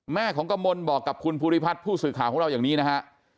แม่ของกระมนบอกกับคุณภูริพัฒน์ผู้สื่อข่าวของเราอย่างนี้นะฮะ